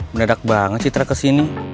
menedak banget citra kesini